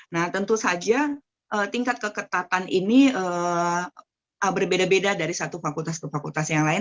nah tentu saja tingkat keketatan ini berbeda beda dari satu fakultas ke fakultas yang lain